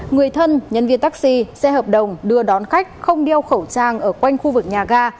người thân nhân viên taxi xe hợp đồng đưa đón khách không đeo khẩu trang ở quanh khu vực nhà ga